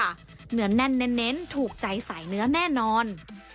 เนื้อแน่นถูกใจใส่เนื้อแน่นอน